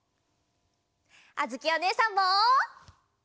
あづきおねえさんも！